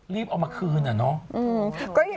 เร็วเอามาคืนนุโระ